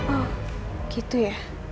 oh gitu ya